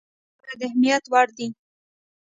د بل انسان لپاره د اهميت وړ دی.